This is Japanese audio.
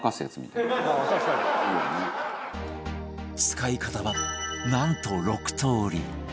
使い方はなんと６通り